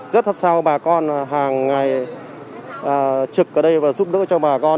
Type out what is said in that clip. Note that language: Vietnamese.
rất sát sao bà con hàng ngày trực ở đây và giúp đỡ cho bà con